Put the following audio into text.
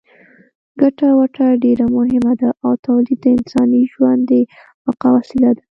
ګټه وټه ډېره مهمه ده او تولید د انساني ژوند د بقا وسیله ده.